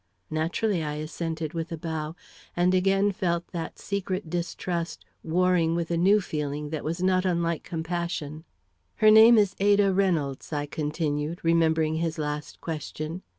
"Naturally," I assented with a bow, and again felt that secret distrust warring with a new feeling that was not unlike compassion. "Her name is Ada Reynolds," I continued, remembering his last question.